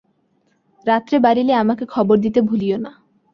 রাত্রে বাড়িলে আমাকে খবর দিতে ভুলিয়ো না।